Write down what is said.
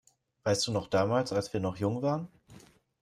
Weißt du noch damals, als wir noch jung waren?